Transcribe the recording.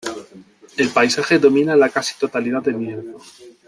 El paisaje domina la casi totalidad del lienzo.